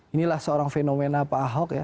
inilah seorang fenomena pak ahok ya